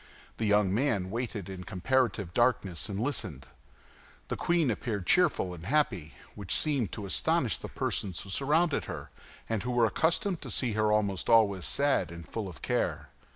The young man waited in comparative darkness and listened. The queen appeared cheerful and happy, which seemed to astonish the persons who surrounded her and who were accustomed to see her almost always sad and full of care.